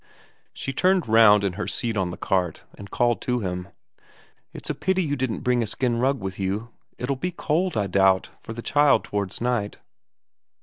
She turned round in her seat on the cart, and called to him: "It's a pity you didn't bring a skin rug with you; it'll be cold, I doubt, for the child towards night."